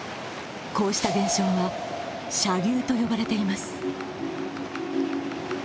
こうした現象は射流と呼ばれています。